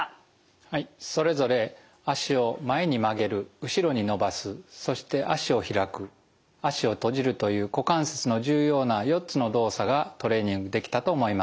はいそれぞれ脚を前に曲げる後ろに伸ばすそして脚を開く脚を閉じるという股関節の重要な４つの動作がトレーニングできたと思います。